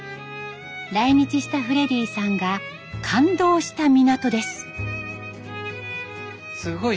来日したフレディさんが感動した港です。